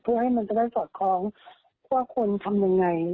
เพื่อให้มันจะได้สอดคล้องว่าคนทำยังไง